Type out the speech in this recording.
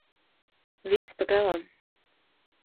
Viss pagalam!